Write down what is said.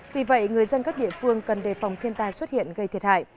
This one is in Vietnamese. vì vậy người dân các địa phương cần đề phòng thiên tai xuất hiện gây thiệt hại